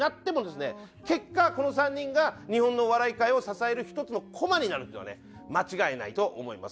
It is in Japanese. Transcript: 結果この３人が日本のお笑い界を支える１つの駒になるっていうのはね間違いないと思います。